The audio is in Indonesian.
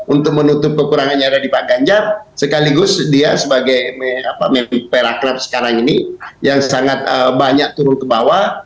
untuk menutup kekurangannya ada di pak ganjar sekaligus dia sebagai perakrab sekarang ini yang sangat banyak turun ke bawah